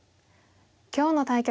今日の対局